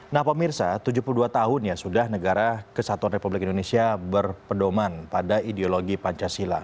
nah pemirsa tujuh puluh dua tahun ya sudah negara kesatuan republik indonesia berpedoman pada ideologi pancasila